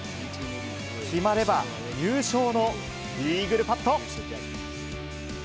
決まれば、優勝のイーグルパット。